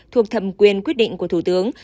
thuộc thẩm quyền quyết định của thủ tướng